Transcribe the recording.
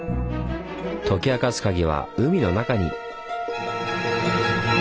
解き明かすカギは海の中に。